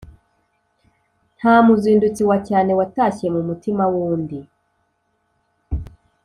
Nta muzindutsi wa cyane watashye mu mutima w’undi.